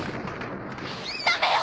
ダメよ！